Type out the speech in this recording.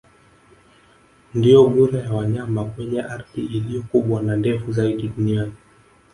Ndiyo gura ya wanyama kwenye ardhi iliyo kubwa na ndefu zaidi duniani